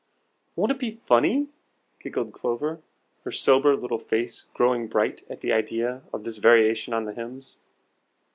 "Won't it be funny!" giggled Clover, her sober little face growing bright at the idea of this variation on the hymns.